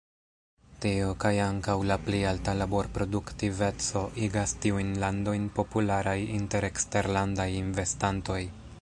Tio, kaj ankaŭ la pli alta laborproduktiveco, igas tiujn landojn popularaj inter eksterlandaj investantoj.